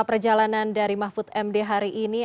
perjalanan dari mahfud m d hari ini